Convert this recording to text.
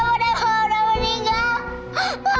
kok ada nama mama dan papa disana